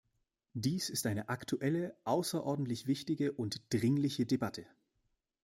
Dies ist eine aktuelle, außerordentlich wichtige und dringliche Debatte.